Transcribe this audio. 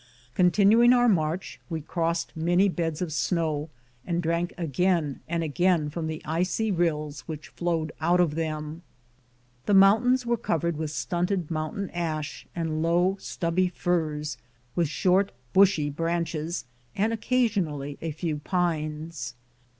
Continuing our march, we crossed many beds of snow, and drank again and again from the icy rills which flowed out of them. The mountains were covered with stunted mountain ash and low, stubby firs with short, bushy branches, and occasionally a few pines.